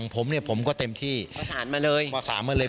ประสานมาเลย